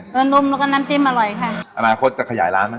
มีลองนุ่มแล้วกับน้ำจิ้มอร่อยค่ะอนาคตจะขยายร้านมั้ย